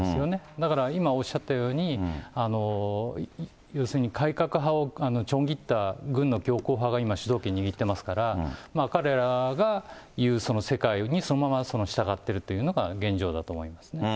だから今おっしゃったように、要するに改革派をちょん切った軍の強硬派が今、主導権握ってますから、彼らが言う世界に、そのまま従っているというのが現状だと思います。